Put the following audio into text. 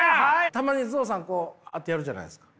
たまにゾウさんこうやってやるじゃないですか。